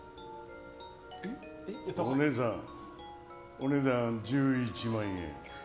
お姉さん、お値段１１万円。